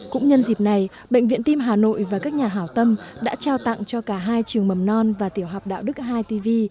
cũng nhân dịp này bệnh viện tim hà nội và các nhà hảo tâm đã trao tặng cho cả hai trường mầm non và tiểu học đạo đức hai tv